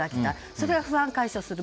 それが不安を解消する。